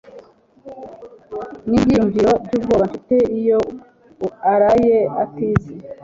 Nibyiyumvo byubwoba mfite iyo araye atinze